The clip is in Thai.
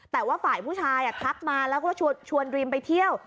แต่ว่าฝ่ายผู้ชายทักมาแล้วก็ชวนดรีมไปเที่ยว